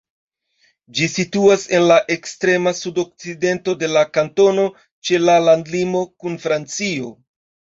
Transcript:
Ĝi situas en la ekstrema sudokcidento de la kantono ĉe la landlimo kun Francio.